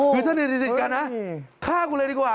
คือสนิทกันนะฆ่ากูเลยดีกว่า